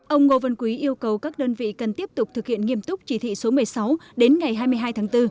ông ngô văn quý yêu cầu các đơn vị cần tiếp tục thực hiện nghiêm túc chỉ thị số một mươi sáu đến ngày hai mươi hai tháng bốn